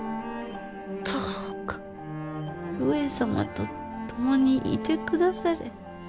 どうか上様と共にいて下され。